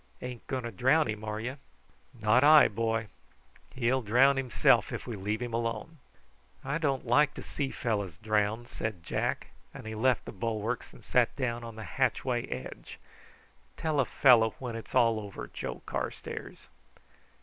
"Ain't going to drown him, are you?" "Not I, boy; he'll drown himself if we leave him alone." "I don't like to see fellows drown," said Jack; and he left the bulwarks and sat down on the hatchway edge. "Tell a fellow when it's all over, Joe Carstairs."